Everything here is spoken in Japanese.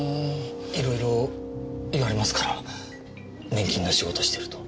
いろいろ言われますから年金の仕事してると。